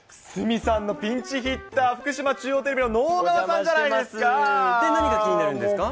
鷲見さんのピンチヒッター、福島中央テレビの直川さんじゃないですか。